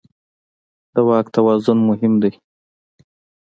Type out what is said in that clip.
د واک توازن مهم دی.